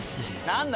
何だ？